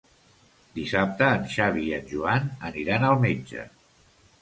Dissabte en Xavi i en Joan aniran al metge.